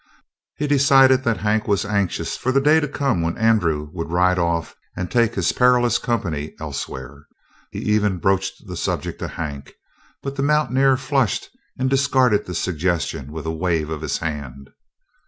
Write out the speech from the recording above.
He decided that Hank was anxious for the day to come when Andrew would ride off and take his perilous company elsewhere. He even broached the subject to Hank, but the mountaineer flushed and discarded the suggestion with a wave of his hand.